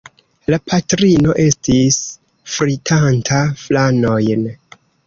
La patrino estis fritanta flanojn.